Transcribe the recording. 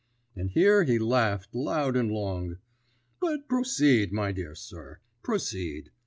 And here he laughed loud and long. "But proceed, my dear sir, proceed.